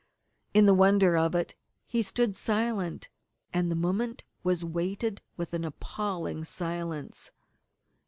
In the wonder of it he stood silent, and the moment was weighted with an appalling silence.